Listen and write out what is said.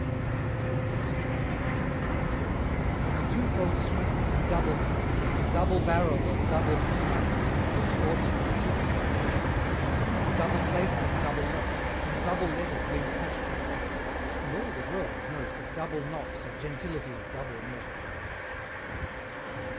CCLXV. There's a twofold sweetness in double pipes; And a double barrel and double snipes Give the sportsman a duplicate pleasure; There's double safety in double locks: And double letters bring cash for the box: And all the world knows that double knocks, Are gentility's double measure.